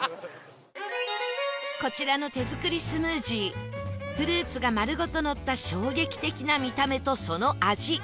こちらの手作りスムージーフルーツが丸ごとのった衝撃的な見た目とその味